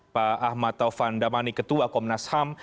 pak ahmad taufan damani ketua komnas ham